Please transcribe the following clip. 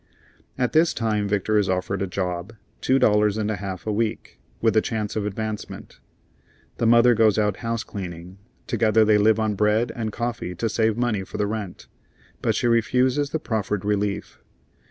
At this time Victor is offered a job, two dollars and a half a week, with a chance of advancement. The mother goes out house cleaning. Together they live on bread and coffee to save money for the rent, but she refuses the proffered relief.